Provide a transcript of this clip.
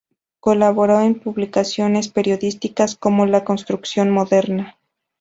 Colaboró en publicaciones periódicas como "La Construcción Moderna".